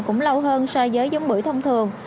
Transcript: cũng lâu hơn so với giống bưởi thông thường